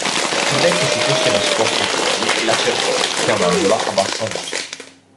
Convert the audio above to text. Credette si fosse nascosta fuori e la cercò, chiamandola a bassa voce.